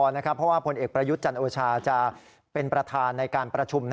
เพราะว่าผลเอกประยุทธ์จันโอชาจะเป็นประธานในการประชุม